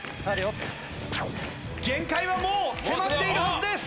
限界はもう迫っているはずです。